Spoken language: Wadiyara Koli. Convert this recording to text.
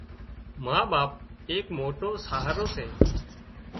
ما ٻاپ ايڪ موٽو سهارو سي